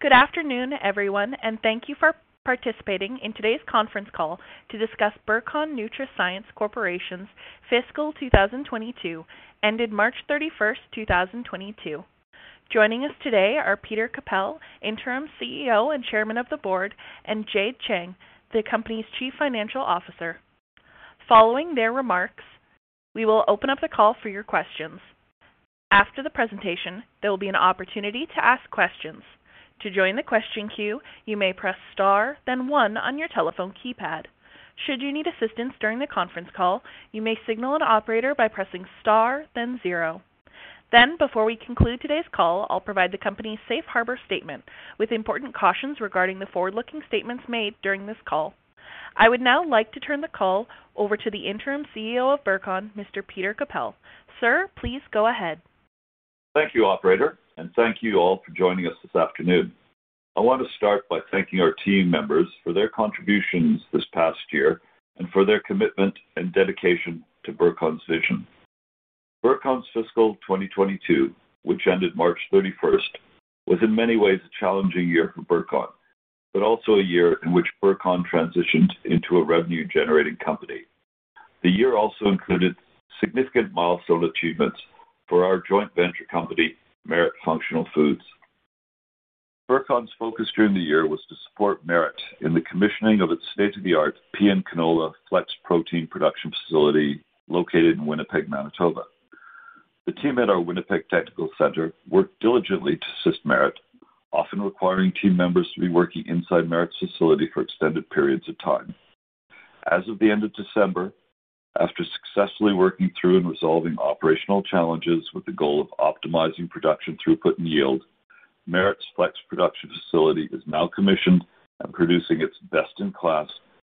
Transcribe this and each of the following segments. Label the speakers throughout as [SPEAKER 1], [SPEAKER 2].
[SPEAKER 1] Good afternoon, everyone, and thank you for participating in today's conference call to discuss Burcon NutraScience Corporation's fiscal 2022 ended March 31, 2022. Joining us today are Peter H. Kappel, Interim CEO and Chairman of the Board, and Jade Cheng, the company's Chief Financial Officer. Following their remarks, we will open up the call for your questions. After the presentation, there will be an opportunity to ask questions. To join the question queue, you may press star, then one on your telephone keypad. Should you need assistance during the conference call, you may signal an operator by pressing star then zero. Before we conclude today's call, I'll provide the company's safe harbor statement with important cautions regarding the forward-looking statements made during this call. I would now like to turn the call over to the interim CEO of Burcon, Mr. Peter H. Kappel. Sir, please go ahead.
[SPEAKER 2] Thank you, operator, and thank you all for joining us this afternoon. I want to start by thanking our team members for their contributions this past year and for their commitment and dedication to Burcon's vision. Burcon's fiscal 2022, which ended March 31st, was in many ways a challenging year for Burcon, but also a year in which Burcon transitioned into a revenue-generating company. The year also included significant milestone achievements for our joint venture company, Merit Functional Foods. Burcon's focus during the year was to support Merit in the commissioning of its state-of-the-art pea and canola flex protein production facility located in Winnipeg, Manitoba. The team at our Winnipeg Technical Center worked diligently to assist Merit, often requiring team members to be working inside Merit's facility for extended periods of time. As of the end of December, after successfully working through and resolving operational challenges with the goal of optimizing production throughput and yield, Merit's flex production facility is now commissioned and producing its best-in-class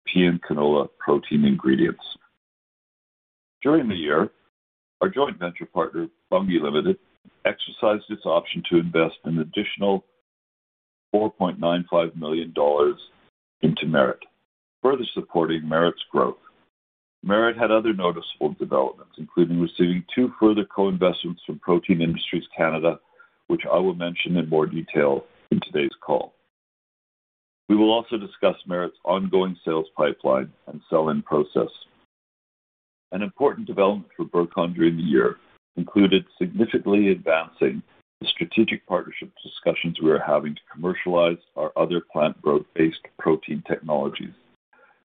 [SPEAKER 2] pea and canola protein ingredients. During the year, our joint venture partner, Bunge Limited, exercised its option to invest an additional 4.95 million dollars into Merit, further supporting Merit's growth. Merit had other noticeable developments, including receiving two further co-investments from Protein Industries Canada, which I will mention in more detail in today's call. We will also discuss Merit's ongoing sales pipeline and sell-in process. An important development for Burcon during the year included significantly advancing the strategic partnership discussions we are having to commercialize our other plant-based protein technologies.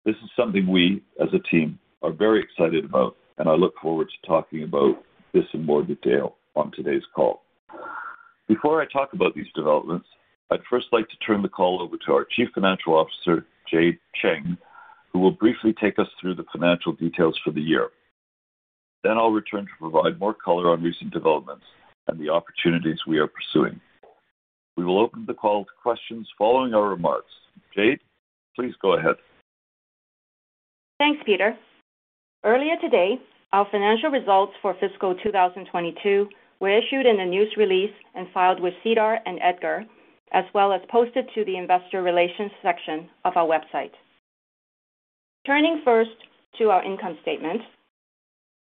[SPEAKER 2] This is something we, as a team, are very excited about, and I look forward to talking about this in more detail on today's call. Before I talk about these developments, I'd first like to turn the call over to our Chief Financial Officer, Jade Cheng, who will briefly take us through the financial details for the year. I'll return to provide more color on recent developments and the opportunities we are pursuing. We will open the call to questions following our remarks. Jade, please go ahead.
[SPEAKER 3] Thanks, Peter. Earlier today, our financial results for fiscal 2022 were issued in a news release and filed with SEDAR and EDGAR, as well as posted to the investor relations section of our website. Turning first to our income statement,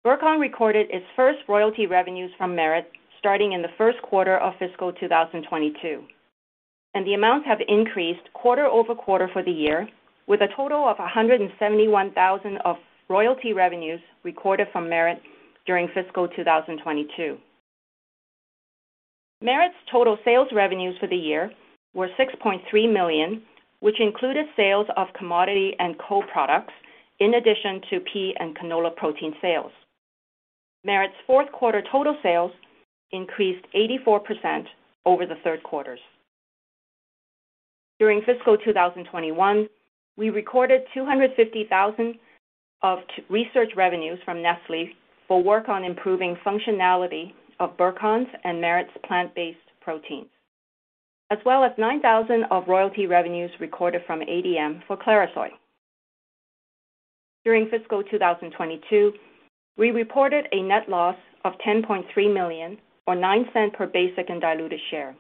[SPEAKER 3] Burcon recorded its first royalty revenues from Merit starting in the first quarter of fiscal 2022, and the amounts have increased quarter-over-quarter for the year, with a total of 171,000 of royalty revenues recorded from Merit during fiscal 2022. Merit's total sales revenues for the year were 6.3 million, which included sales of commodity and co-products in addition to pea and canola protein sales. Merit's fourth quarter total sales increased 84% over the third quarters. During fiscal 2021, we recorded 250,000 of research revenues from Nestlé for work on improving functionality of Burcon's and Merit's plant-based proteins, as well as 9,000 of royalty revenues recorded from ADM for CLARISOY. During fiscal 2022, we reported a net loss of 10.3 million or 0.09 per basic and diluted share.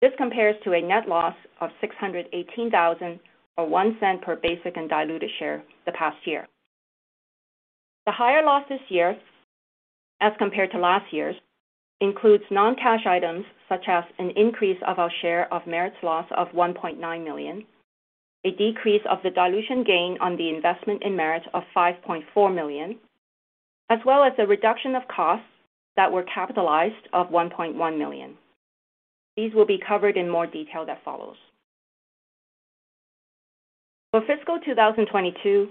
[SPEAKER 3] This compares to a net loss of 618,000 or 0.01 per basic and diluted share the past year. The higher loss this year, as compared to last year's, includes non-cash items such as an increase of our share of Merit's loss of 1.9 million, a decrease of the dilution gain on the investment in Merit of 5.4 million, as well as a reduction of costs that were capitalized of 1.1 million. These will be covered in more detail that follows. For fiscal 2022,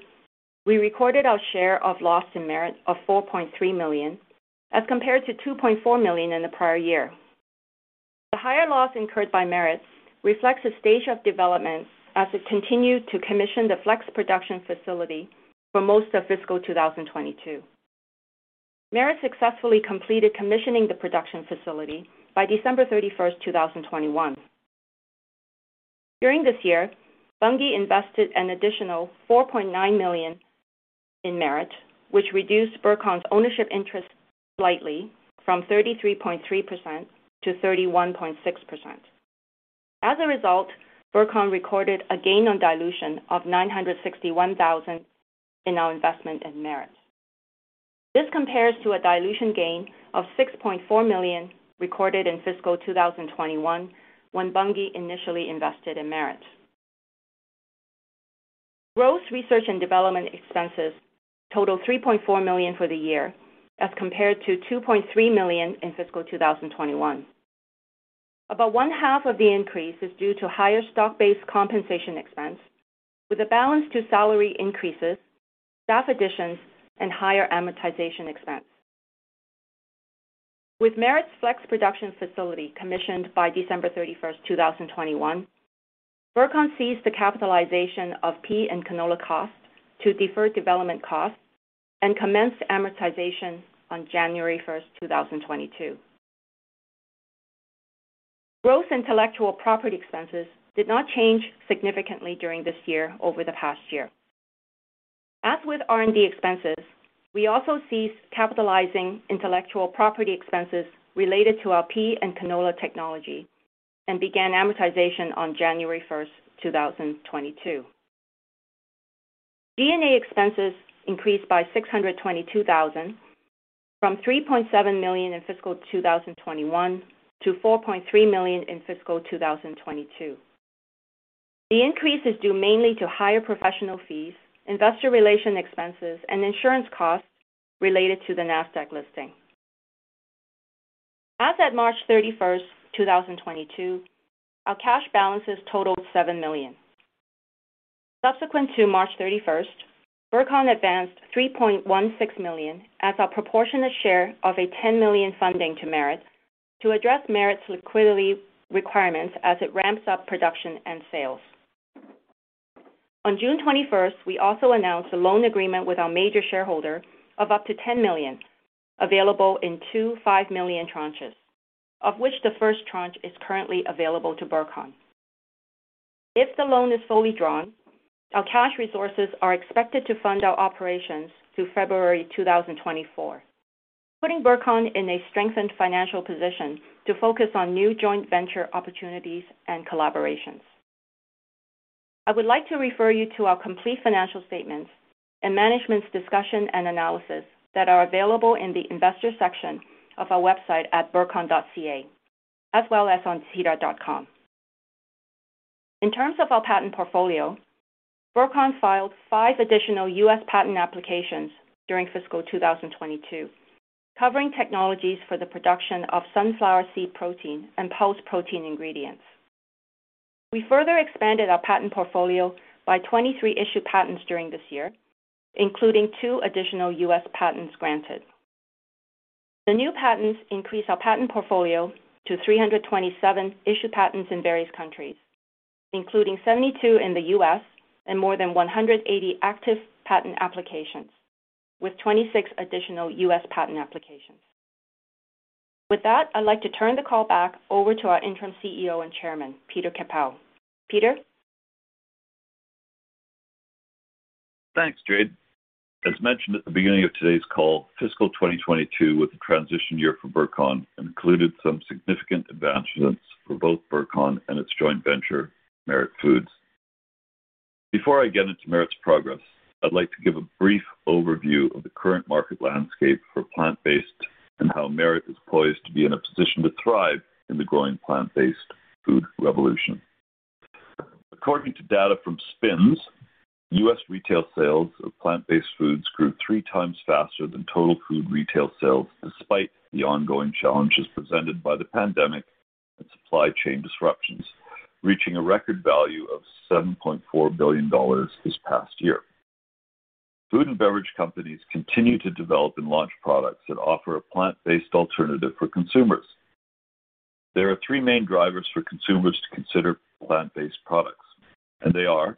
[SPEAKER 3] we recorded our share of loss in Merit of 4.3 million as compared to 2.4 million in the prior year. The higher loss incurred by Merit reflects the stage of development as it continued to commission the flex production facility for most of fiscal 2022. Merit successfully completed commissioning the production facility by December 31, 2021. During this year, Bunge invested an additional 4.9 million in Merit, which reduced Burcon's ownership interest slightly from 33.3% to 31.6%. As a result, Burcon recorded a gain on dilution of 961,000 in our investment in Merit. This compares to a dilution gain of 6.4 million recorded in fiscal 2021 when Bunge initially invested in Merit. Gross research and development expenses totaled 3.4 million for the year as compared to 2.3 million in fiscal 2021. About one-half of the increase is due to higher stock-based compensation expense with a balance to salary increases, staff additions, and higher amortization expense. With Merit's flex production facility commissioned by December 31, 2021, Burcon ceased the capitalization of pea and canola costs to deferred development costs and commenced amortization on January 1, 2022. Gross intellectual property expenses did not change significantly during this year over the past year. As with R&D expenses, we also ceased capitalizing intellectual property expenses related to our pea and canola technology and began amortization on January 1, 2022. G&A expenses increased by 622,000 from 3.7 million in fiscal 2021 to 4.3 million in fiscal 2022. The increase is due mainly to higher professional fees, investor relations expenses, and insurance costs related to the Nasdaq listing. As at March 31, 2022, our cash balances totaled 7 million. Subsequent to March 31, Burcon advanced 3.16 million as our proportionate share of a 10 million funding to Merit to address Merit's liquidity requirements as it ramps up production and sales. On June 21, we also announced a loan agreement with our major shareholder of up to 10 million available in two 5 million tranches, of which the first tranche is currently available to Burcon. If the loan is fully drawn, our cash resources are expected to fund our operations through February 2024, putting Burcon in a strengthened financial position to focus on new joint venture opportunities and collaborations. I would like to refer you to our complete financial statements and management's discussion and analysis that are available in the investor section of our website at burcon.ca, as well as on sedar.com. In terms of our patent portfolio, Burcon filed five additional U.S. patent applications during fiscal 2022, covering technologies for the production of sunflower seed protein and pulse protein ingredients. We further expanded our patent portfolio by 23 issued patents during this year, including two additional U.S. patents granted. The new patents increase our patent portfolio to 327 issued patents in various countries, including 72 in the U.S. and more than 180 active patent applications with 26 additional U.S. patent applications. With that, I'd like to turn the call back over to our Interim CEO and Chairman, Peter H. Kappel. Peter?
[SPEAKER 2] Thanks, Jade. As mentioned at the beginning of today's call, fiscal 2022 was a transition year for Burcon and included some significant advancements for both Burcon and its joint venture, Merit Functional Foods. Before I get into Merit's progress, I'd like to give a brief overview of the current market landscape for plant-based and how Merit is poised to be in a position to thrive in the growing plant-based food revolution. According to data from SPINS, U.S. retail sales of plant-based foods grew three times faster than total food retail sales despite the ongoing challenges presented by the pandemic and supply chain disruptions, reaching a record value of $7.4 billion this past year. Food and beverage companies continue to develop and launch products that offer a plant-based alternative for consumers. There are three main drivers for consumers to consider plant-based products, and they are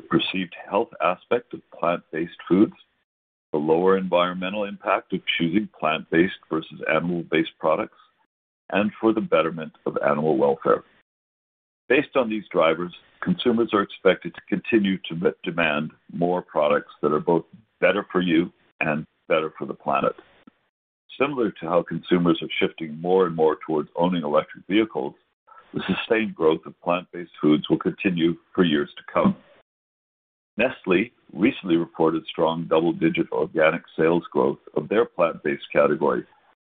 [SPEAKER 2] the perceived health aspect of plant-based foods, the lower environmental impact of choosing plant-based versus animal-based products, and for the betterment of animal welfare. Based on these drivers, consumers are expected to continue to demand more products that are both better for you and better for the planet. Similar to how consumers are shifting more and more towards owning electric vehicles, the sustained growth of plant-based foods will continue for years to come. Nestlé recently reported strong double-digit organic sales growth of their plant-based category,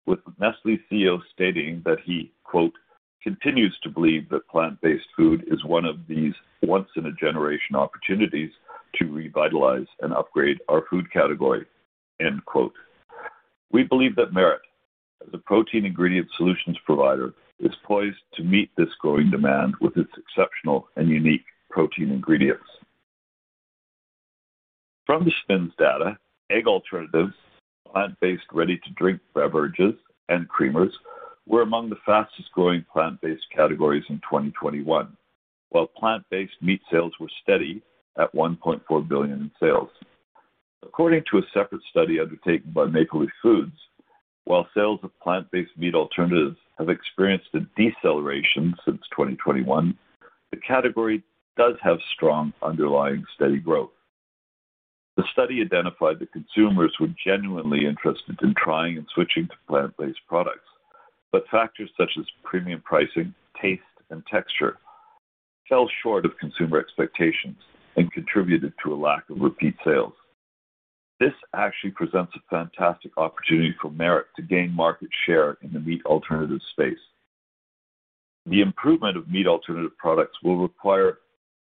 [SPEAKER 2] with Nestlé's CEO stating that he, "continues to believe that plant-based food is one of these once-in-a-generation opportunities to revitalize and upgrade our food category.". We believe that Merit, as a protein ingredient solutions provider, is poised to meet this growing demand with its exceptional and unique protein ingredients. From the SPINS data, egg alternatives, plant-based ready-to-drink beverages, and creamers were among the fastest-growing plant-based categories in 2021, while plant-based meat sales were steady at 1.4 billion in sales. According to a separate study undertaken by Maple Leaf Foods, while sales of plant-based meat alternatives have experienced a deceleration since 2021, the category does have strong underlying steady growth. The study identified that consumers were genuinely interested in trying and switching to plant-based products, but factors such as premium pricing, taste, and texture fell short of consumer expectations and contributed to a lack of repeat sales. This actually presents a fantastic opportunity for Merit to gain market share in the meat alternative space. The improvement of meat alternative products will require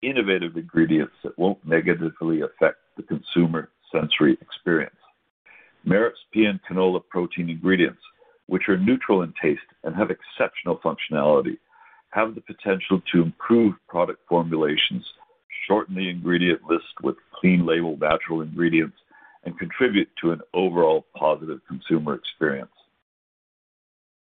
[SPEAKER 2] innovative ingredients that won't negatively affect the consumer sensory experience. Merit's pea and canola protein ingredients, which are neutral in taste and have exceptional functionality, have the potential to improve product formulations, shorten the ingredient list with clean label natural ingredients, and contribute to an overall positive consumer experience.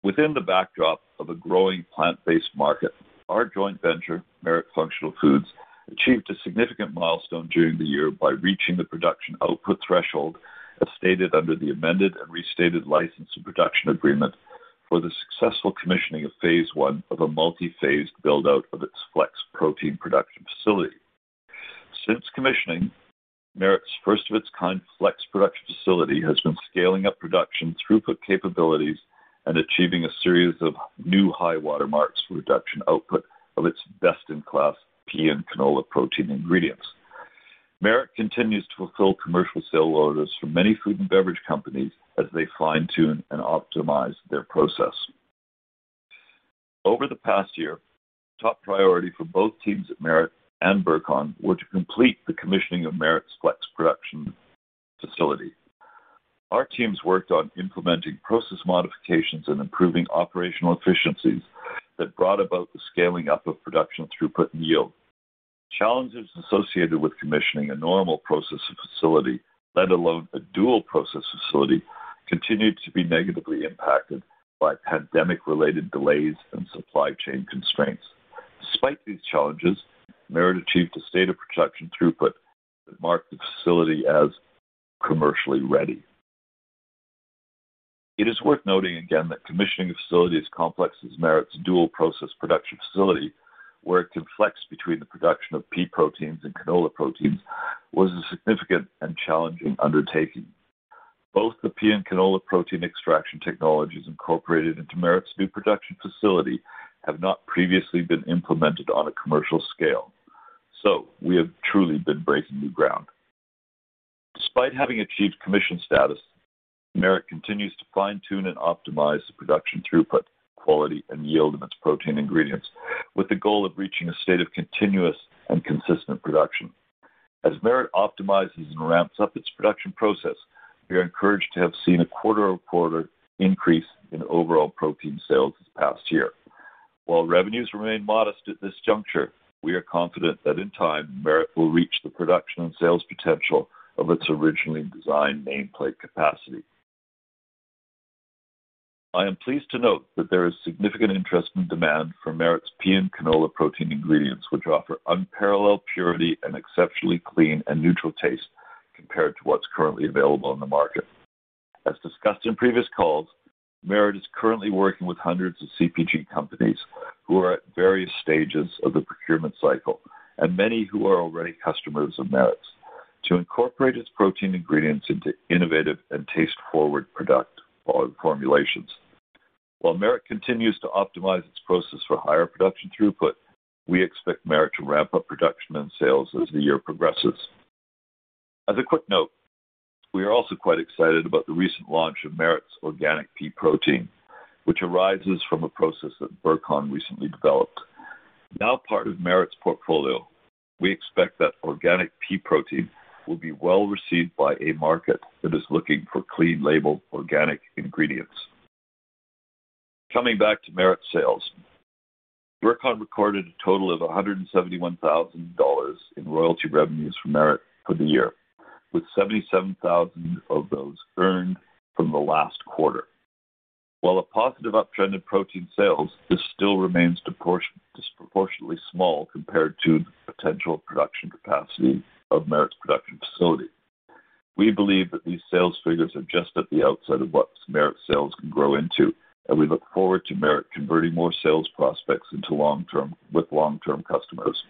[SPEAKER 2] Within the backdrop of a growing plant-based market, our joint venture, Merit Functional Foods, achieved a significant milestone during the year by reaching the production output threshold as stated under the amended and restated license and production agreement for the successful commissioning of phase one of a multi-phased build-out of its flex protein production facility. Since commissioning, Merit's first of its kind flex production facility has been scaling up production throughput capabilities and achieving a series of new high water marks for production output of its best-in-class pea and canola protein ingredients. Merit continues to fulfill commercial sale orders for many food and beverage companies as they fine-tune and optimize their process. Over the past year, top priority for both teams at Merit and Burcon were to complete the commissioning of Merit's flex production facility. Our teams worked on implementing process modifications and improving operational efficiencies that brought about the scaling up of production throughput and yield. Challenges associated with commissioning a normal processing facility, let alone a dual-process facility, continued to be negatively impacted by pandemic-related delays and supply chain constraints. Despite these challenges, Merit achieved a state of production throughput that marked the facility as commercially ready. It is worth noting again that commissioning a facility as complex as Merit's dual-process production facility, where it can flex between the production of pea proteins and canola proteins, was a significant and challenging undertaking. Both the pea and canola protein extraction technologies incorporated into Merit's new production facility have not previously been implemented on a commercial scale. We have truly been breaking new ground. Despite having achieved commission status, Merit continues to fine-tune and optimize the production throughput, quality, and yield of its protein ingredients with the goal of reaching a state of continuous and consistent production. As Merit optimizes and ramps up its production process, we are encouraged to have seen a quarter-over-quarter increase in overall protein sales this past year. While revenues remain modest at this juncture, we are confident that in time, Merit will reach the production and sales potential of its originally designed nameplate capacity. I am pleased to note that there is significant interest and demand for Merit's pea and canola protein ingredients, which offer unparalleled purity and exceptionally clean and neutral taste compared to what's currently available in the market. As discussed in previous calls, Merit is currently working with hundreds of CPG companies who are at various stages of the procurement cycle, and many who are already customers of Merit's, to incorporate its protein ingredients into innovative and taste-forward product formulations. While Merit continues to optimize its process for higher production throughput, we expect Merit to ramp up production and sales as the year progresses. As a quick note, we are also quite excited about the recent launch of Merit's organic pea protein, which arises from a process that Burcon recently developed. Now part of Merit's portfolio, we expect that organic pea protein will be well-received by a market that is looking for clean label organic ingredients. Coming back to Merit sales, Burcon recorded a total of 171,000 dollars in royalty revenues for Merit for the year, with 77,000 of those earned from the last quarter. While a positive uptrend in protein sales, this still remains disproportionately small compared to the potential production capacity of Merit's production facility. We believe that these sales figures are just at the outset of what Merit's sales can grow into, and we look forward to Merit converting more sales prospects with long-term customers.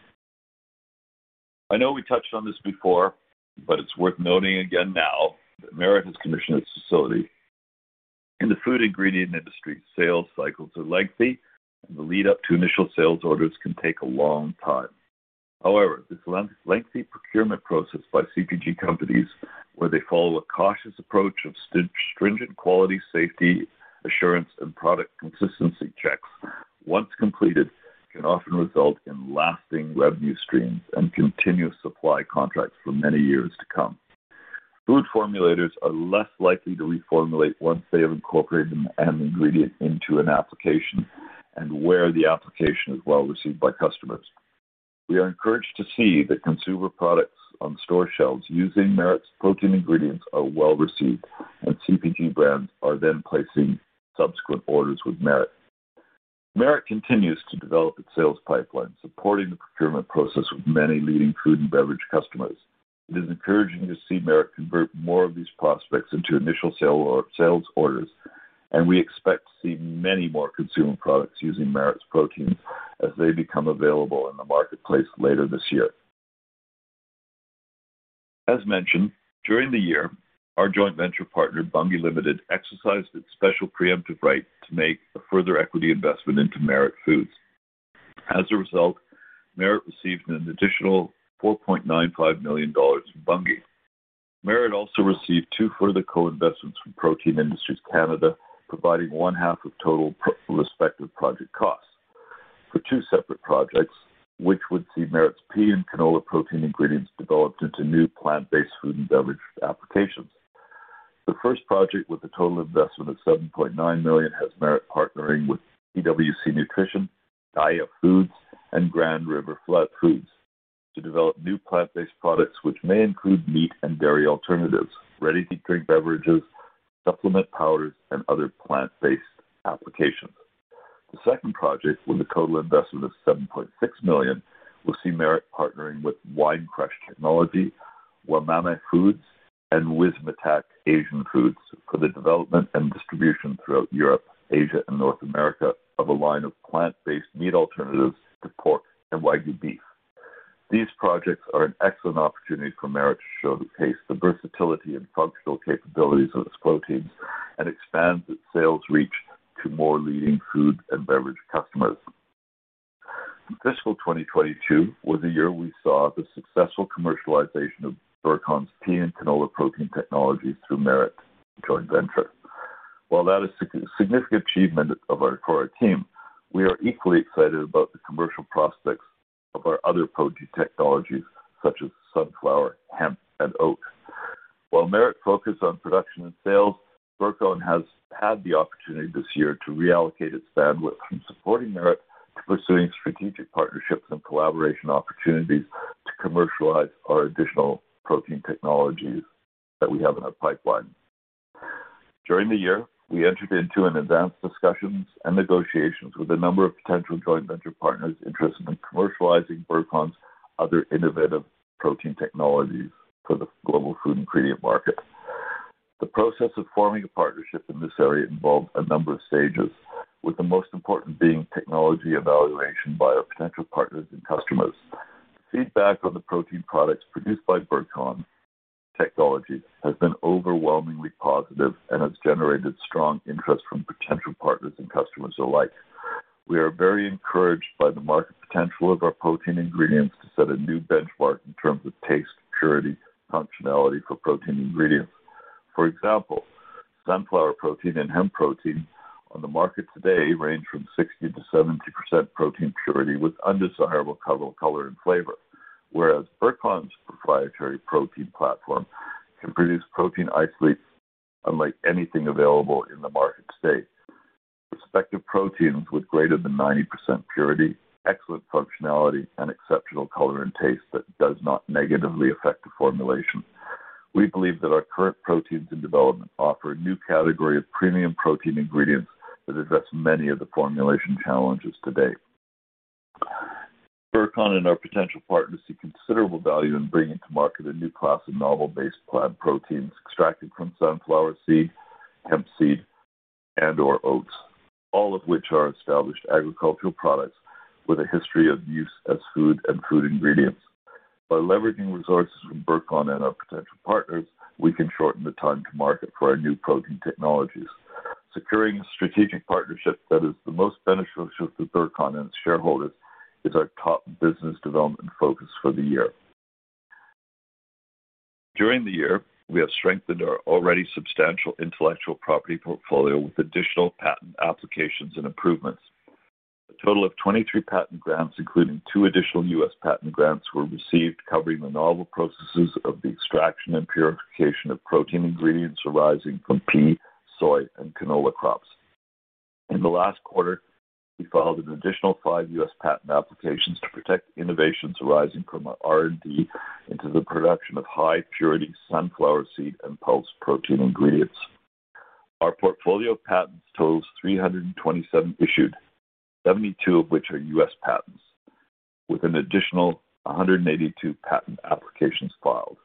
[SPEAKER 2] I know we touched on this before, but it's worth noting again now that Merit has commissioned its facility. In the food ingredient industry, sales cycles are lengthy, and the lead up to initial sales orders can take a long time. However, this lengthy procurement process by CPG companies, where they follow a cautious approach of stringent quality, safety, assurance, and product consistency checks, once completed, can often result in lasting revenue streams and continuous supply contracts for many years to come. Food formulators are less likely to reformulate once they have incorporated an ingredient into an application and where the application is well-received by customers. We are encouraged to see that consumer products on store shelves using Merit's protein ingredients are well-received, and CPG brands are then placing subsequent orders with Merit. Merit continues to develop its sales pipeline, supporting the procurement process with many leading food and beverage customers. It is encouraging to see Merit convert more of these prospects into initial sales orders, and we expect to see many more consumer products using Merit's proteins as they become available in the marketplace later this year. As mentioned, during the year, our joint venture partner, Bunge Limited, exercised its special preemptive right to make a further equity investment into Merit Foods. As a result, Merit received an additional 4.95 million dollars from Bunge. Merit also received two further co-investments from Protein Industries Canada, providing one half of total respective project costs for two separate projects, which would see Merit's pea and canola protein ingredients developed into new plant-based food and beverage applications. The first project, with a total investment of 7.9 million, has Merit partnering with TWC Nutrition, Daiya Foods, and Grand River Foods to develop new plant-based products, which may include meat and dairy alternatives, ready-to-drink beverages, supplement powders, and other plant-based applications. The second project, with a total investment of 7.6 million, will see Merit partnering with Winecrush Technology, Wamame Foods, and Wismettac Asian Foods for the development and distribution throughout Europe, Asia, and North America of a line of plant-based meat alternatives to pork and Wagyu beef. These projects are an excellent opportunity for Merit to show the taste, the versatility, and functional capabilities of its proteins and expand its sales reach to more leading food and beverage customers. Fiscal 2022 was the year we saw the successful commercialization of Burcon's pea and canola protein technologies through Merit joint venture. While that is a significant achievement for our team, we are equally excited about the commercial prospects of our other protein technologies, such as sunflower, hemp, and oat. While Merit focused on production and sales, Burcon has had the opportunity this year to reallocate its bandwidth from supporting Merit to pursuing strategic partnerships and collaboration opportunities to commercialize our additional protein technologies that we have in our pipeline. During the year, we entered into advanced discussions and negotiations with a number of potential joint venture partners interested in commercializing Burcon's other innovative protein technologies for the global food ingredient market. The process of forming a partnership in this area involved a number of stages, with the most important being technology evaluation by our potential partners and customers. Feedback on the protein products produced by Burcon technology has been overwhelmingly positive and has generated strong interest from potential partners and customers alike. We are very encouraged by the market potential of our protein ingredients to set a new benchmark in terms of taste, purity, functionality for protein ingredients. For example, sunflower protein and hemp protein on the market today range from 60%-70% protein purity with undesirable color and flavor. Whereas Burcon's proprietary protein platform can produce protein isolates unlike anything available in the market today. Respective proteins with greater than 90% purity, excellent functionality, and exceptional color and taste that does not negatively affect the formulation. We believe that our current proteins in development offer a new category of premium protein ingredients that address many of the formulation challenges today. Burcon and our potential partners see considerable value in bringing to market a new class of novel-based plant proteins extracted from sunflower seed, hemp seed, and/or oats, all of which are established agricultural products with a history of use as food and food ingredients. By leveraging resources from Burcon and our potential partners, we can shorten the time to market for our new protein technologies. Securing a strategic partnership that is the most beneficial to Burcon and its shareholders is our top business development focus for the year. During the year, we have strengthened our already substantial intellectual property portfolio with additional patent applications and improvements. A total of 23 patent grants, including two additional U.S. patent grants, were received covering the novel processes of the extraction and purification of protein ingredients arising from pea, soy, and canola crops. In the last quarter, we filed an additional five U.S. patent applications to protect innovations arising from our R&D into the production of high-purity sunflower seed and pulse protein ingredients. Our portfolio of patents totals 327 issued, 72 of which are U.S. patents, with an additional 182 patent applications filed.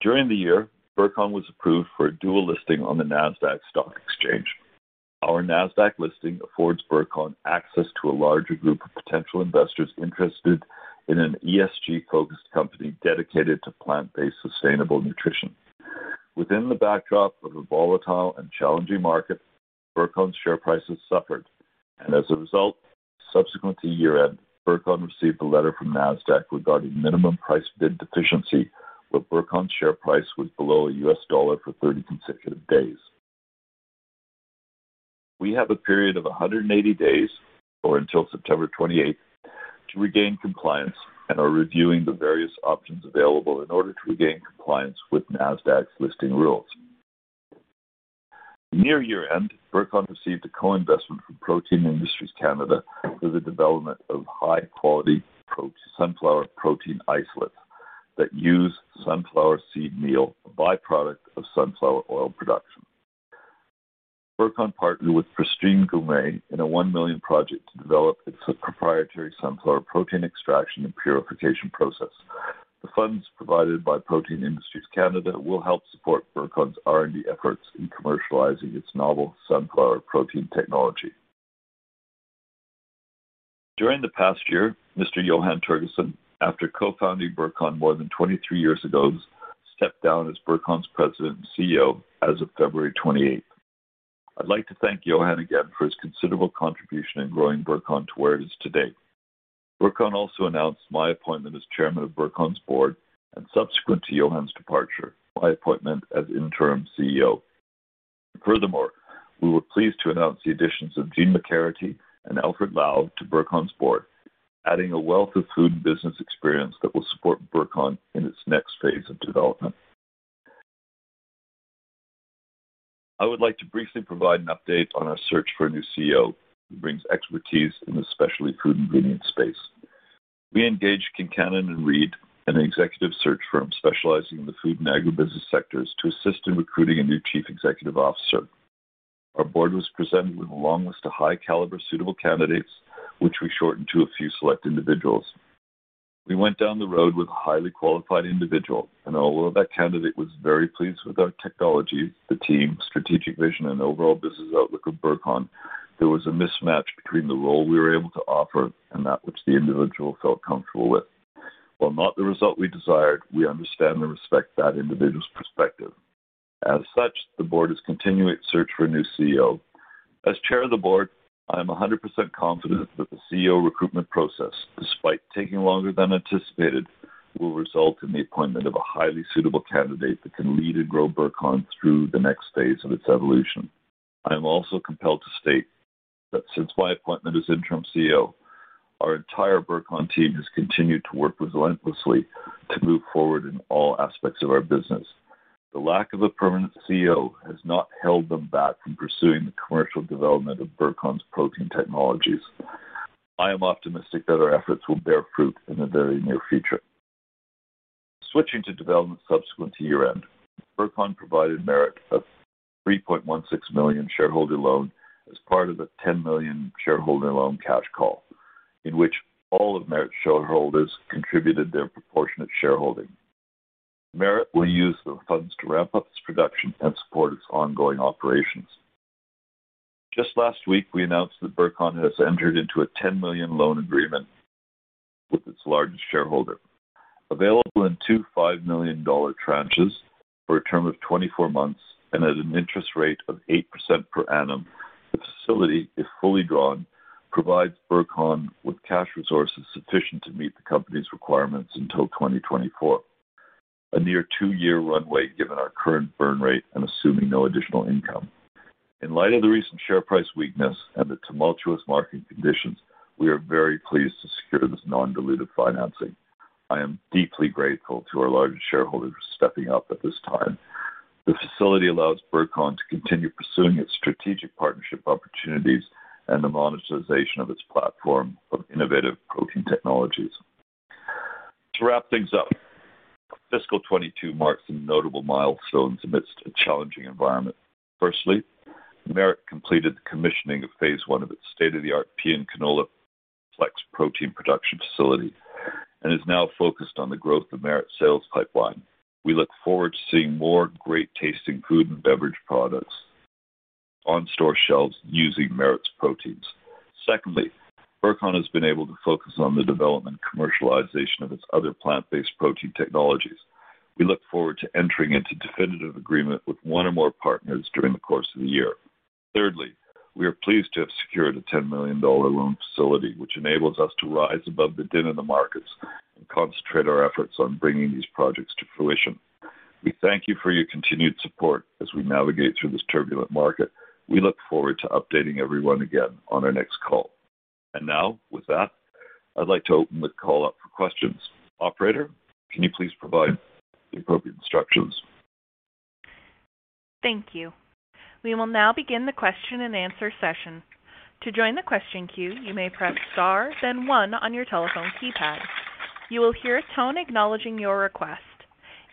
[SPEAKER 2] During the year, Burcon was approved for a dual listing on the Nasdaq Stock Exchange. Our Nasdaq listing affords Burcon access to a larger group of potential investors interested in an ESG-focused company dedicated to plant-based sustainable nutrition. Within the backdrop of a volatile and challenging market, Burcon's share prices suffered, and as a result, subsequent to year-end, Burcon received a letter from Nasdaq regarding minimum price bid deficiency where Burcon's share price was below $1 for 30 consecutive days. We have a period of 180 days, or until September 28th, to regain compliance and are reviewing the various options available in order to regain compliance with Nasdaq's listing rules. Near year-end, Burcon received a co-investment from Protein Industries Canada for the development of high-quality sunflower protein isolates that use sunflower seed meal, a by-product of sunflower oil production. Burcon partnered with Pristine Gourmet in a 1 million project to develop its proprietary sunflower protein extraction and purification process. The funds provided by Protein Industries Canada will help support Burcon's R&D efforts in commercializing its novel sunflower protein technology. During the past year, Mr. Johann F. Tergesen, after co-founding Burcon more than 23 years ago, stepped down as Burcon's President and CEO as of February 28th. I'd like to thank Johann again for his considerable contribution in growing Burcon to where it is today. Burcon also announced my appointment as chairman of Burcon's board, and subsequent to Johann's departure, my appointment as interim CEO. Furthermore, we were pleased to announce the additions of Jeanne McCaherty and Alfred Lau to Burcon's board, adding a wealth of food and business experience that will support Burcon in its next phase of development. I would like to briefly provide an update on our search for a new CEO who brings expertise in the specialty food ingredient space. We engaged Kincannon & Reed, an executive search firm specializing in the food and agribusiness sectors, to assist in recruiting a new chief executive officer. Our board was presented with a long list of high caliber suitable candidates, which we shortened to a few select individuals. We went down the road with a highly qualified individual, and although that candidate was very pleased with our technology, the team, strategic vision, and overall business outlook of Burcon, there was a mismatch between the role we were able to offer and that which the individual felt comfortable with. While not the result we desired, we understand and respect that individual's perspective. As such, the board is continuing its search for a new CEO. As chair of the board, I am 100% confident that the CEO recruitment process, despite taking longer than anticipated, will result in the appointment of a highly suitable candidate that can lead and grow Burcon through the next phase of its evolution. I am also compelled to state that since my appointment as interim CEO, our entire Burcon team has continued to work relentlessly to move forward in all aspects of our business. The lack of a permanent CEO has not held them back from pursuing the commercial development of Burcon's protein technologies. I am optimistic that our efforts will bear fruit in the very near future. Switching to development subsequent to year-end, Burcon provided Merit a 3.16 million shareholder loan as part of a 10 million shareholder loan cash call, in which all of Merit's shareholders contributed their proportionate shareholding. Merit will use the funds to ramp up its production and support its ongoing operations. Just last week, we announced that Burcon has entered into a 10 million loan agreement with its largest shareholder. Available in two 5 million dollar tranches for a term of 24 months and at an interest rate of 8% per annum, the facility, if fully drawn, provides Burcon with cash resources sufficient to meet the company's requirements until 2024. A near two-year runway, given our current burn rate and assuming no additional income. In light of the recent share price weakness and the tumultuous market conditions, we are very pleased to secure this non-dilutive financing. I am deeply grateful to our largest shareholder for stepping up at this time. The facility allows Burcon to continue pursuing its strategic partnership opportunities and the monetization of its platform of innovative protein technologies. To wrap things up, fiscal 2022 marks some notable milestones amidst a challenging environment. Firstly, Merit completed the commissioning of phase one of its state-of-the-art pea and canola flex protein production facility and is now focused on the growth of Merit sales pipeline. We look forward to seeing more great-tasting food and beverage products on store shelves using Merit's proteins. Secondly, Burcon has been able to focus on the development and commercialization of its other plant-based protein technologies. We look forward to entering into definitive agreement with one or more partners during the course of the year. Thirdly, we are pleased to have secured a 10 million dollar loan facility, which enables us to rise above the din in the markets and concentrate our efforts on bringing these projects to fruition. We thank you for your continued support as we navigate through this turbulent market. We look forward to updating everyone again on our next call. Now, with that, I'd like to open the call up for questions. Operator, can you please provide the appropriate instructions?
[SPEAKER 1] Thank you. We will now begin the question and answer session. To join the question queue, you may press star, then one on your telephone keypad. You will hear a tone acknowledging your request.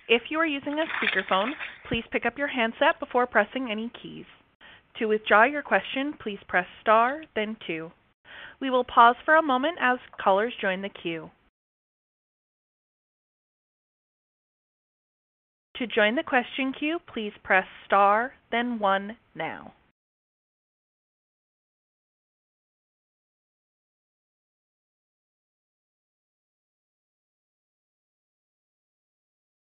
[SPEAKER 1] If you are using a speakerphone, please pick up your handset before pressing any keys. To withdraw your question, please press star, then two. We will pause for a moment as callers join the queue. To join the question queue, please press star then one now.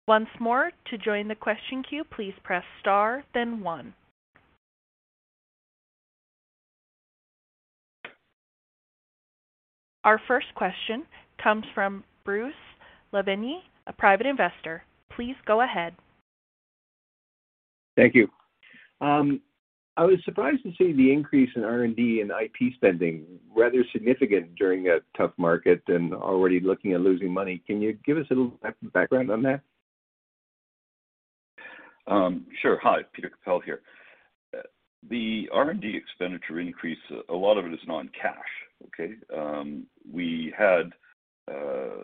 [SPEAKER 1] Once more, to join the question queue, please press star then one. Our first question comes from Bruce Levine, a private investor. Please go ahead.
[SPEAKER 4] Thank you. I was surprised to see the increase in R&D and IP spending rather significant during a tough market and already looking at losing money. Can you give us a little background on that?
[SPEAKER 2] Sure. Hi, Peter Kappel here. The R&D expenditure increase, a lot of it is non-cash, okay?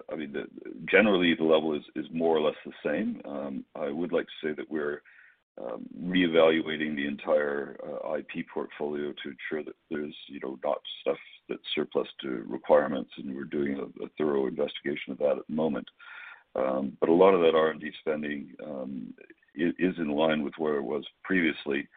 [SPEAKER 2] I mean, generally, the level is more or less the same. I would like to say that we're reevaluating the entire IP portfolio to ensure that there's, you know, not stuff that's surplus to requirements, and we're doing a thorough investigation of that at the moment. A lot of that R&D spending is in line with where it was previously.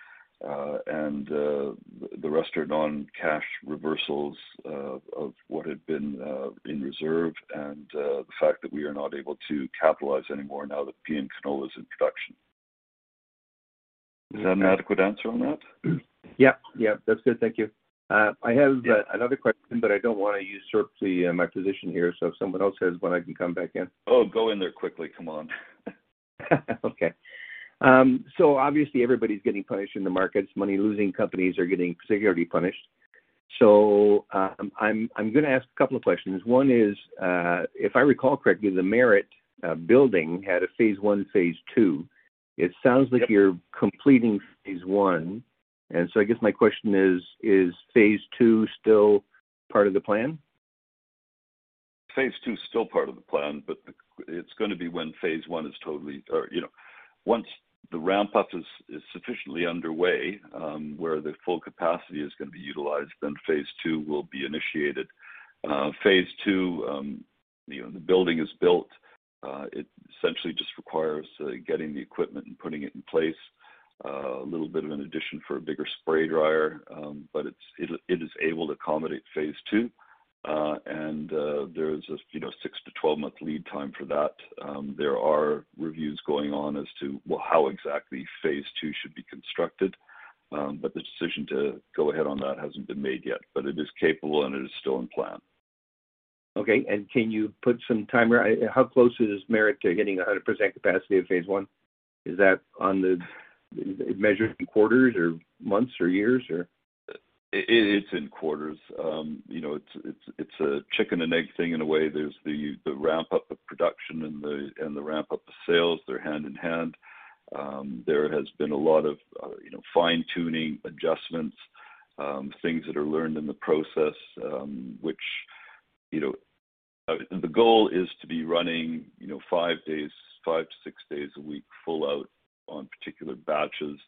[SPEAKER 2] The rest are non-cash reversals of what had been in reserve and the fact that we are not able to capitalize anymore now that pea and canola is in production. Is that an adequate answer on that?
[SPEAKER 4] Yeah. Yeah, that's good. Thank you.
[SPEAKER 2] Yeah.
[SPEAKER 4] I have another question, but I don't want to usurp the my position here. If someone else has one, I can come back in.
[SPEAKER 2] Oh, go in there quickly. Come on.
[SPEAKER 4] Okay. Obviously everybody's getting punished in the markets. Money-losing companies are getting particularly punished. I'm gonna ask a couple of questions. One is, if I recall correctly, the Merit building had a phase one, phase two. It sounds like-
[SPEAKER 2] Yep.
[SPEAKER 4] You're completing phase one. I guess my question is phase two still part of the plan?
[SPEAKER 2] Phase two is still part of the plan, but it's gonna be when phase one is totally or, you know, once the ramp-up is sufficiently underway, where the full capacity is gonna be utilized, then phase two will be initiated. Phase two, you know, the building is built. It essentially just requires getting the equipment and putting it in place. A little bit of an addition for a bigger spray dryer. But it is able to accommodate phase two. There is, you know, a six to 12-month lead time for that. There are reviews going on as to, well, how exactly phase two should be constructed. The decision to go ahead on that hasn't been made yet, but it is capable, and it is still in plan.
[SPEAKER 4] Okay and can you put some time, how close is Merit to getting 100% capacity of phase one? Is that measuring quarters or months or years, or?
[SPEAKER 2] It's in quarters. You know, it's a chicken and egg thing in a way. There's the ramp-up of production and the ramp-up of sales. They're hand in hand. There has been a lot of, you know, fine-tuning adjustments, things that are learned in the process, which you know. The goal is to be running, you know, five to six days a week full out on particular batches,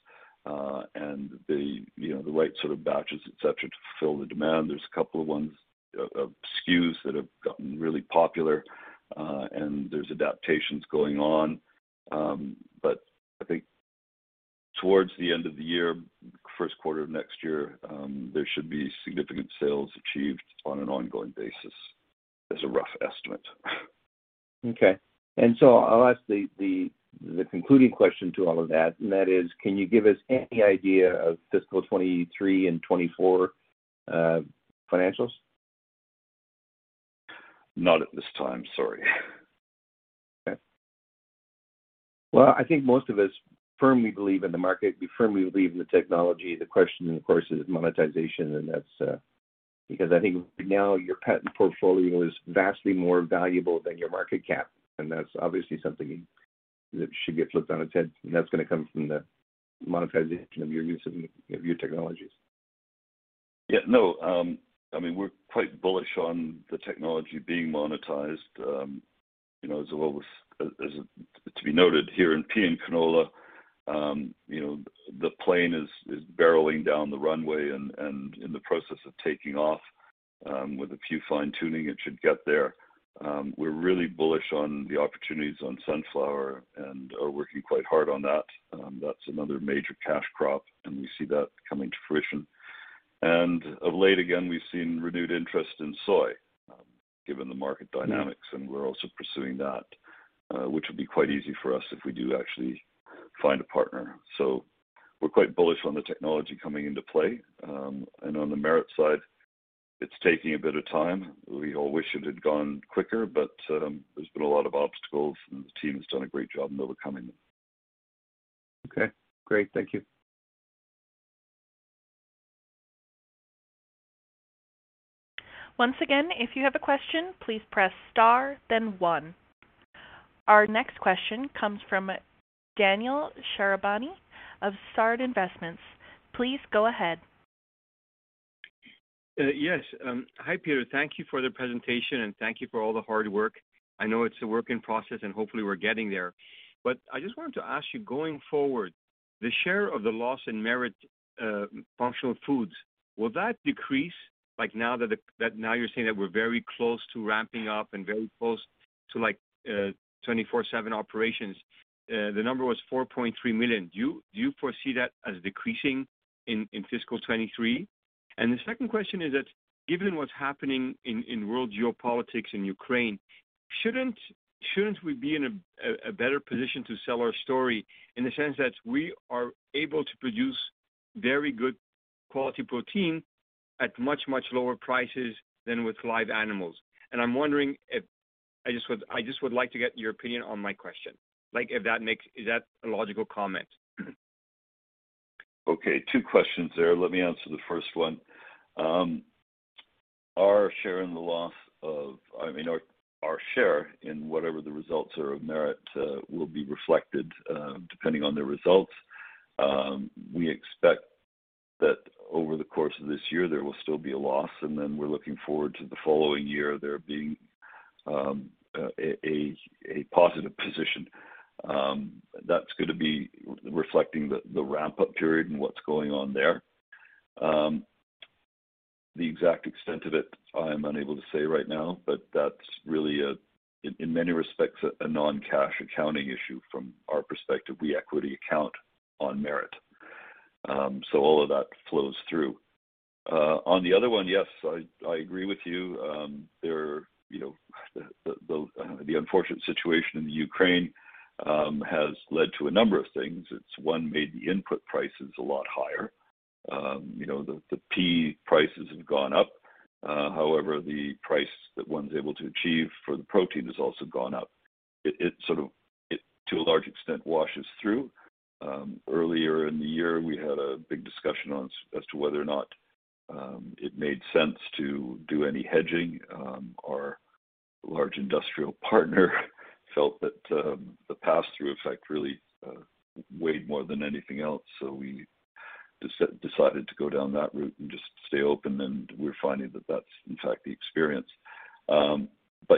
[SPEAKER 2] and you know, the right sort of batches, et cetera, to fulfill the demand. There's a couple of ones, SKUs that have gotten really popular, and there's adaptations going on. I think towards the end of the year, first quarter of next year, there should be significant sales achieved on an ongoing basis as a rough estimate.
[SPEAKER 4] I'll ask the concluding question to all of that, and that is, can you give us any idea of fiscal 2023 and 2024 financials?
[SPEAKER 2] Not at this time. Sorry.
[SPEAKER 4] Okay. Well, I think most of us firmly believe in the market. We firmly believe in the technology. The question, of course, is monetization, and that's because I think right now, your patent portfolio is vastly more valuable than your market cap, and that's obviously something that should get flipped on its head. That's gonna come from the monetization of your use of your technologies.
[SPEAKER 2] Yeah, no. I mean, we're quite bullish on the technology being monetized, you know, as well as to be noted here in pea and canola, you know, the plane is barreling down the runway and in the process of taking off. With a few fine-tuning, it should get there. We're really bullish on the opportunities on sunflower and are working quite hard on that. That's another major cash crop, and we see that coming to fruition. Of late again, we've seen renewed interest in soy, given the market dynamics.
[SPEAKER 4] Mm-hmm.
[SPEAKER 2] We're also pursuing that, which would be quite easy for us if we do actually find a partner. We're quite bullish on the technology coming into play. On the Merit side, it's taking a bit of time. We all wish it had gone quicker, but there's been a lot of obstacles, and the team has done a great job in overcoming them.
[SPEAKER 4] Okay, great. Thank you.
[SPEAKER 1] Once again, if you have a question, please press star then one. Our next question comes from Daniel Shahrabani of Fard Investments. Please go ahead.
[SPEAKER 5] Yes. Hi, Peter. Thank you for the presentation, and thank you for all the hard work. I know it's a work in process, and hopefully we're getting there. I just wanted to ask you, going forward, the share of the loss in Merit Functional Foods, will that decrease? Like, now that you're saying that we're very close to ramping up and very close to, like, 24/7 operations. The number was 4.3 million. Do you foresee that as decreasing in fiscal 2023? The second question is that given what's happening in world geopolitics in Ukraine, shouldn't we be in a better position to sell our story in the sense that we are able to produce very good quality protein at much lower prices than with live animals? I'm wondering if I just would like to get your opinion on my question. Like, if that makes. Is that a logical comment?
[SPEAKER 2] Okay, two questions there. Let me answer the first one. I mean, our share in whatever the results are of Merit will be reflected depending on the results. We expect that over the course of this year, there will still be a loss, and then we're looking forward to the following year there being a positive position. That's gonna be reflecting the ramp-up period and what's going on there. The exact extent of it, I am unable to say right now, but that's really in many respects a non-cash accounting issue from our perspective. We equity account on Merit. So all of that flows through. On the other one, yes, I agree with you. You know, the unfortunate situation in the Ukraine has led to a number of things. It's one, made the input prices a lot higher. The pea prices have gone up. However, the price that one's able to achieve for the protein has also gone up. It sort of, to a large extent, washes through. Earlier in the year, we had a big discussion as to whether or not it made sense to do any hedging. Our large industrial partner felt that the pass-through effect really weighed more than anything else. So we decided to go down that route and just stay open, and we're finding that that's in fact the experience.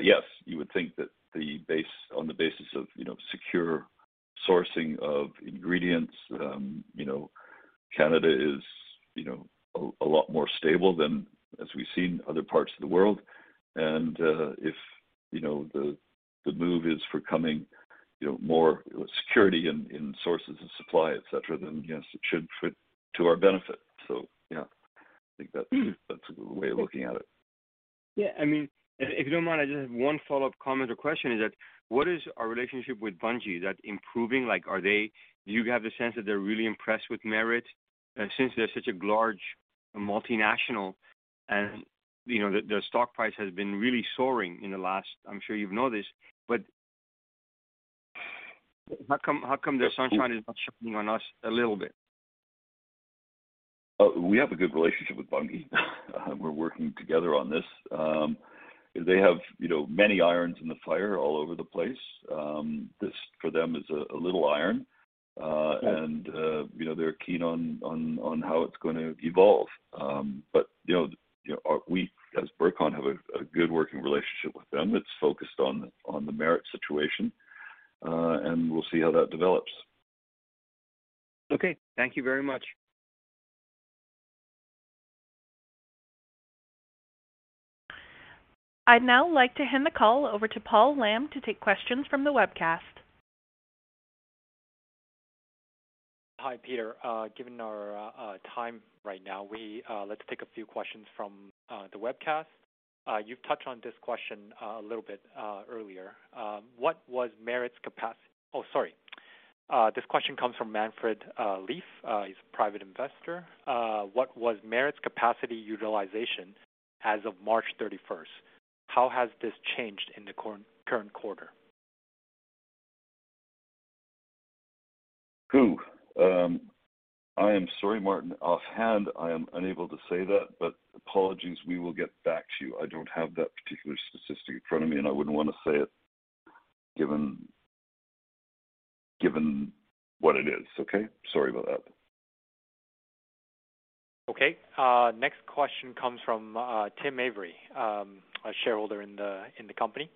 [SPEAKER 2] Yes, you would think that the base. On the basis of, you know, secure sourcing of ingredients, you know, Canada is, you know, a lot more stable than as we've seen other parts of the world. If, you know, the move is forthcoming, you know, more security in sources of supply, et cetera, then yes, it should fit to our benefit. Yeah. I think that.
[SPEAKER 5] Mm.
[SPEAKER 2] That's a good way of looking at it.
[SPEAKER 5] Yeah. I mean, if you don't mind, I just have one follow-up comment or question, is that what is our relationship with Bunge? Is that improving? Like, are they? Do you have the sense that they're really impressed with Merit, since they're such a large multinational? And, you know, their stock price has been really soaring in the last. I'm sure you know this, but how come their sunshine is not shining on us a little bit?
[SPEAKER 2] We have a good relationship with Bunge. We're working together on this. They have, you know, many irons in the fire all over the place. This for them is a little iron.
[SPEAKER 5] Sure.
[SPEAKER 2] You know, they're keen on how it's gonna evolve. You know, we as Burcon have a good working relationship with them. It's focused on the Merit situation, and we'll see how that develops.
[SPEAKER 5] Okay. Thank you very much.
[SPEAKER 1] I'd now like to hand the call over to Paul Lam to take questions from the webcast.
[SPEAKER 6] Hi, Peter. Given our time right now, let's take a few questions from the webcast. You've touched on this question a little bit earlier. What was Merit's capacity. Oh sorry, this question comes from Manfred Lief, a private investor. What was Merit's capacity utilization as of March 31st? How has this changed in the current quarter?
[SPEAKER 2] I am sorry, Manfred. Offhand, I am unable to say that, but apologies, we will get back to you. I don't have that particular statistic in front of me, and I wouldn't wanna say it given what it is, okay? Sorry about that.
[SPEAKER 6] Okay. Next question comes from Tim Avery, a shareholder in the company.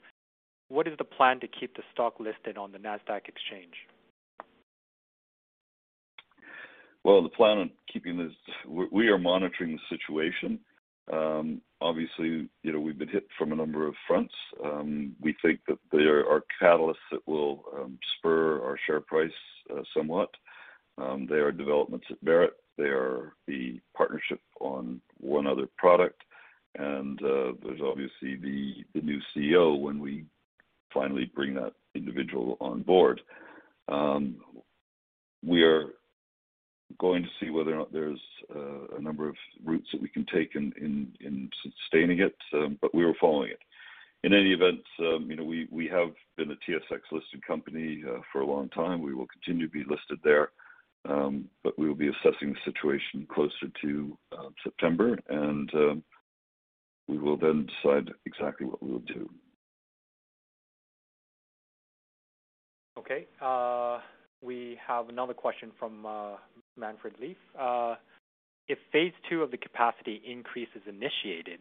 [SPEAKER 6] What is the plan to keep the stock listed on the Nasdaq exchange?
[SPEAKER 2] We are monitoring the situation. Obviously, you know, we've been hit from a number of fronts. We think that there are catalysts that will spur our share price somewhat. They are developments at Merit. They are the partnership on one other product. There's obviously the new CEO when we finally bring that individual on board. We are going to see whether or not there's a number of routes that we can take in sustaining it, but we are following it. In any event, you know, we have been a TSX-listed company for a long time. We will continue to be listed there, but we will be assessing the situation closer to September, and we will then decide exactly what we will do.
[SPEAKER 6] Okay. We have another question from Manfred Leaf. If phase two of the capacity increase is initiated,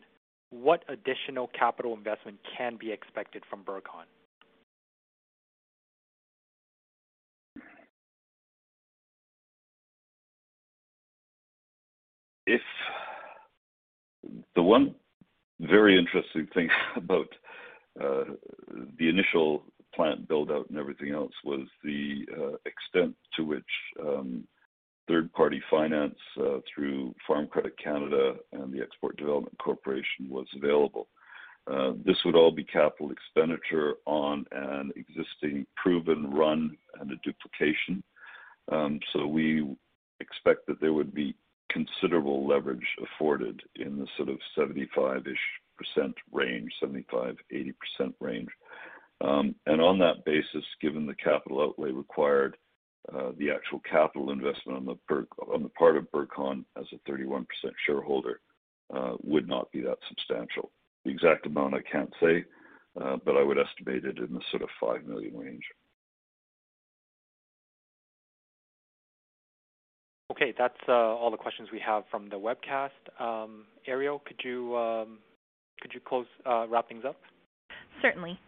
[SPEAKER 6] what additional capital investment can be expected from Burcon?
[SPEAKER 2] The one very interesting thing about the initial plant build-out and everything else was the extent to which third-party finance through Farm Credit Canada and Export Development Canada was available. This would all be CapEx on an existing proven run and a duplication. We expect that there would be considerable leverage afforded in the sort of 75%-ish range, 75%-80% range. On that basis, given the capital outlay required, the actual capital investment on the part of Burcon as a 31% shareholder would not be that substantial. The exact amount I can't say, but I would estimate it in the sort of 5 million range.
[SPEAKER 6] Okay. That's all the questions we have from the webcast. Ariel, could you wrap things up?
[SPEAKER 1] Certainly.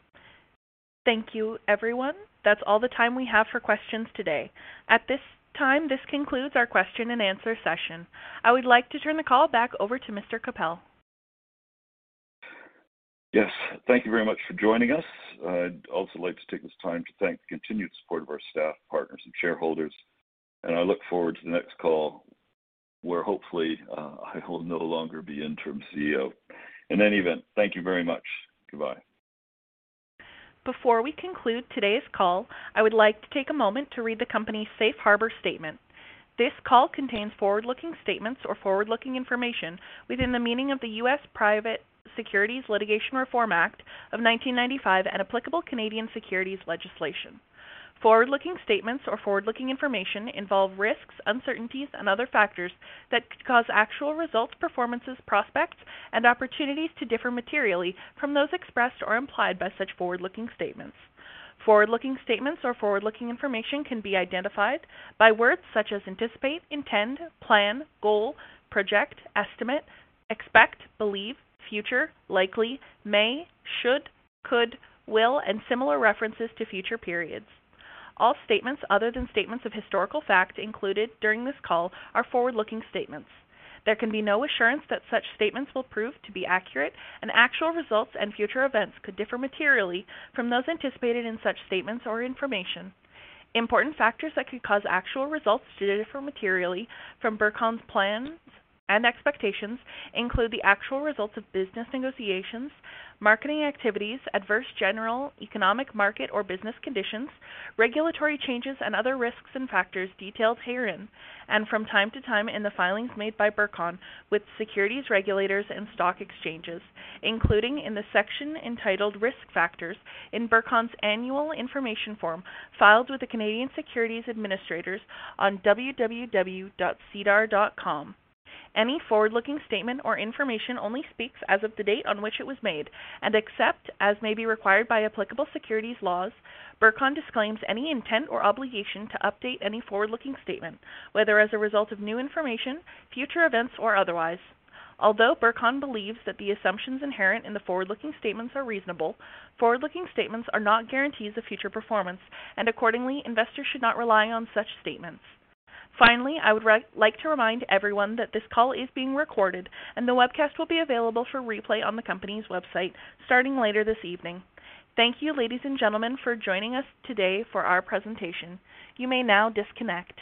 [SPEAKER 1] Thank you everyone. That's all the time we have for questions today. At this time, this concludes our question and answer session. I would like to turn the call back over to Mr. Kappel.
[SPEAKER 2] Yes, thank you very much for joining us. I'd also like to take this time to thank the continued support of our staff, partners, and shareholders, and I look forward to the next call, where hopefully, I will no longer be Interim CEO. In any event, thank you very much. Goodbye.
[SPEAKER 1] Before we conclude today's call, I would like to take a moment to read the company's safe harbor statement. This call contains forward-looking statements or forward-looking information within the meaning of the U.S. Private Securities Litigation Reform Act of 1995 and applicable Canadian securities legislation. Forward-looking statements or forward-looking information involve risks, uncertainties and other factors that could cause actual results, performances, prospects and opportunities to differ materially from those expressed or implied by such forward-looking statements. Forward-looking statements or forward-looking information can be identified by words such as anticipate, intend, plan, goal, project, estimate, expect, believe, future, likely, may, should, could, will and similar references to future periods. All statements other than statements of historical fact included during this call are forward-looking statements. There can be no assurance that such statements will prove to be accurate, and actual results and future events could differ materially from those anticipated in such statements or information. Important factors that could cause actual results to differ materially from Burcon's plans and expectations include the actual results of business negotiations, marketing activities, adverse general economic market or business conditions, regulatory changes and other risks and factors detailed herein and from time to time in the filings made by Burcon with securities regulators and stock exchanges, including in the section entitled Risk Factors in Burcon's Annual Information Form filed with the Canadian Securities Administrators on www.sedar.com. Any forward-looking statement or information only speaks as of the date on which it was made. Except as may be required by applicable securities laws, Burcon disclaims any intent or obligation to update any forward-looking statement, whether as a result of new information, future events or otherwise. Although Burcon believes that the assumptions inherent in the forward-looking statements are reasonable, forward-looking statements are not guarantees of future performance, and accordingly, investors should not rely on such statements. Finally, I would like to remind everyone that this call is being recorded and the webcast will be available for replay on the company's website starting later this evening. Thank you, ladies and gentlemen, for joining us today for our presentation. You may now disconnect.